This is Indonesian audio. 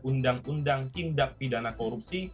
undang undang tindak pidana korupsi